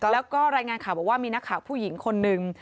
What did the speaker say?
แล้วก็รายงานข่าวบอกว่ามีนักข่าวผู้หญิงคนนึง